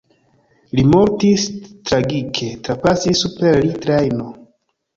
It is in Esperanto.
Li mortis tragike: trapasis super li trajno.